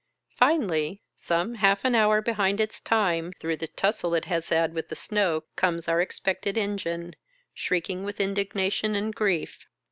Finally, some half an hour behind its time through the tussle it has had with the snow, comes our expected engine, shrieking with indignation and grief.